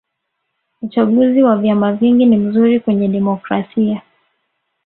uchaguzi wa vyama vingi ni mzuri kwenye demokrasia